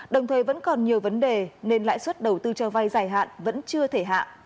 đồng thời vẫn còn nhiều vấn đề nên lãi suất đầu tư cho vay dài hạn vẫn chưa thể hạ